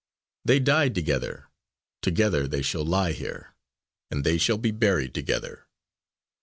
"They died together; together they shall lie here, and they shall be buried together."